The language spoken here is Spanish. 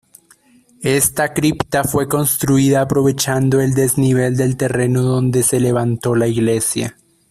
Esta cripta fue construida aprovechando el desnivel del terreno donde se levantó la iglesia.